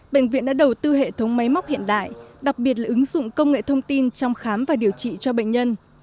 bệnh viện đã đầu tư hệ thống máy móc hiện đại đặc biệt là ứng dụng công nghệ thông tin trong khám và điều trị cho bệnh nhân